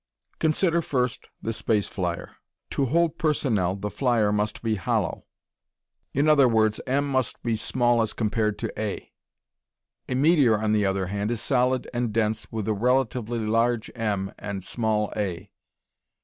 Consider first the space flyer. To hold personnel the flyer must be hollow. In other words, m must be small as compared to A. A meteor, on the other hand, is solid and dense with a relatively large m and small A.